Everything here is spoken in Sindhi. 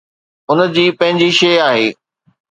ان جي پنهنجي شيء آهي.